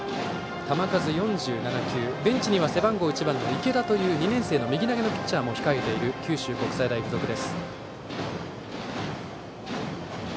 ベンチには背番号１番の池田という２年生の右投げのピッチャーも控えている九州国際大付属です。